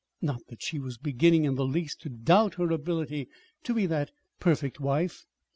Not that she was beginning in the least to doubt her ability to be that perfect wife.